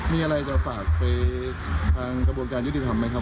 มีอะไรจะฝากไปทางกระบวนการยุติธรรมไหมครับ